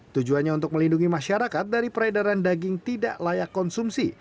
tujuannya untuk melindungi masyarakat dari peredaran daging tidak layak konsumsi